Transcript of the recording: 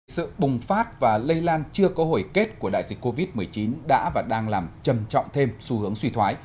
sự bùng phát và lây lan chưa có hồi kết của đại dịch covid một mươi chín đã và đang làm trầm trọng thêm xu hướng suy thoái